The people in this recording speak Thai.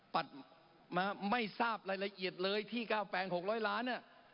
ปัดมาไม่ทราบรายละเอียดเลยที่ก้าวแปลง๖๐๐ล้านเนี่ย